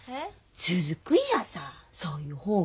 続くんやさそういう方が。